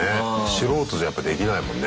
素人じゃやっぱできないもんね